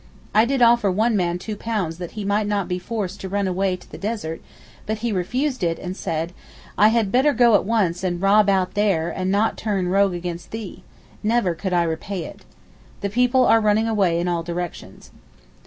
I did offer one man £2 that he might not be forced to run away to the desert, but he refused it and said, 'I had better go at once and rob out there, and not turn rogue towards thee—never could I repay it.' The people are running away in all directions.